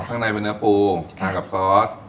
ข้างในเป็นเนื้อปูกับซอส